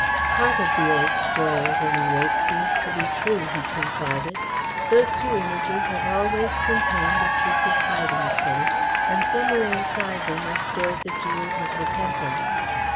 "Part of the old story, at any rate, seems to be true," he confided. "Those two Images have always contained a secret hiding place, and somewhere inside them are stored the jewels of the temple.